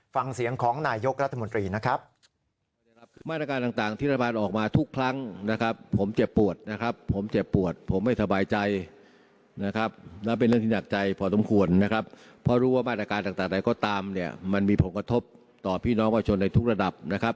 ฟังเสียงของนายกรัฐมนตรีนะครับ